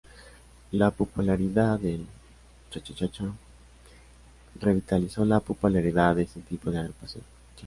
La popularidad del chachachá revitalizó la popularidad de este tipo de agrupación.